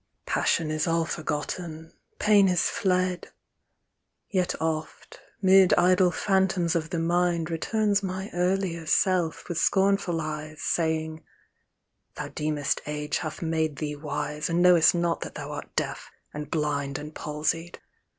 Passion is all forgotten, pain is fled : Yet oft, 'mid idle phantoms of the mind. Returns my earlier Self, with scornful eyes. Saying â " Thou deemest age hath made thee wise. And knowest not that thou art deaf, and blind. And palsied.